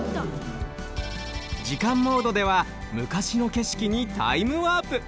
時間モードではむかしのけしきにタイムワープ！